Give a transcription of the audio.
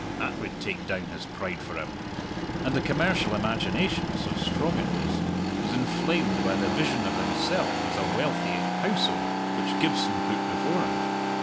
That would take down his pride for him! And the commercial imagination, so strong in Wilson, was inflamed by the vision of himself as a wealthy houseowner which Gibson put before him.